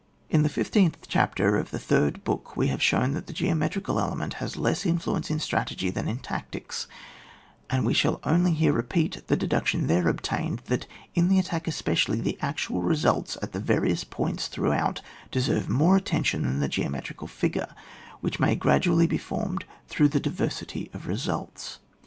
In the fifteenth chapter of the Third Book we have shown that the geometri cal element has less influence in strategy than in tactics ; and we shall only here repeat the deduction there obtained, that in the attack especially, the actual results at the various points throughout deserve more attention than the g^metrical figure, which may gradually be formed through the diversity of results.